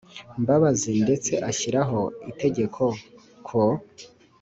mbabazi, ndetse ashyiraho itegeko ko